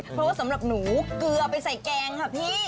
เพราะว่าสำหรับหนูเกลือไปใส่แกงค่ะพี่